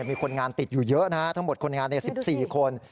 มีคนงานติดอยู่เยอะนะฮะทั้งหมดคนงาน๑๔คน